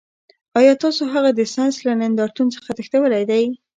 ایا تاسو هغه د ساینس له نندارتون څخه تښتولی دی